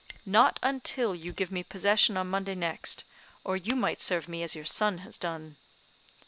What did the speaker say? "Not until you give me possession on Monday next; or you might serve me as your son has done."